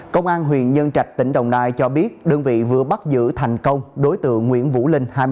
công an huyện nhân trạch tỉnh đồng nai cho biết đơn vị vừa bắt giữ thành công đối tượng nguyễn vũ linh